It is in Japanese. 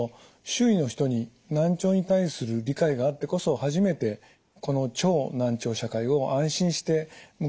周囲の人に難聴に対する理解があってこそ初めてこの超難聴社会を安心して迎えられるのではないかと思います。